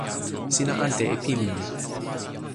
sina ante e pilin mi.